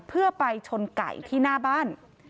เพื่อไปชนไก่ที่หน้าบ้าน